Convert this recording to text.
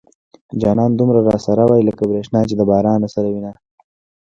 جانانه دومره را سره واي لکه بريښنا چې د بارانه سره وينه